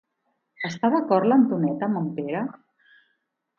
Està d'acord l'Antonet amb en Pere?